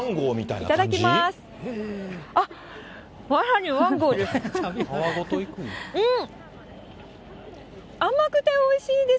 いただきます。